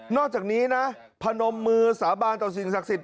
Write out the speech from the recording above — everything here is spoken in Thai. อกจากนี้นะพนมมือสาบานต่อสิ่งศักดิ์สิทธ